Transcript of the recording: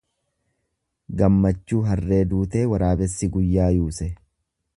Gammachuu harree duutee waraabessi guyyaa yuuse.